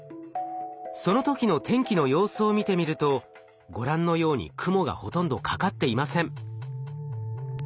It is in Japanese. その時の天気の様子を見てみるとご覧のように雲がほとんどかかっていません。